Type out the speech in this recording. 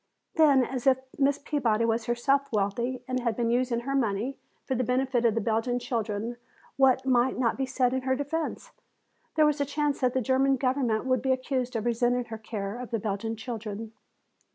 Then as this Miss Peabody was herself wealthy and had been using her money for the benefit of the Belgian children, what might not be said in her defense? There was a chance that the German government would be accused of resenting her care of the Belgian children.